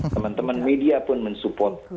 teman teman media pun men support